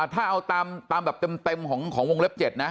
ถ้าเอาตามแบบเต็มของวงเล็บ๗นะ